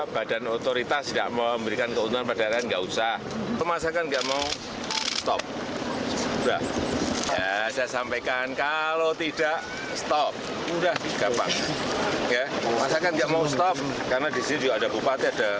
benar untuk apa